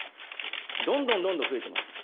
どんどんどんどん増えていますよ。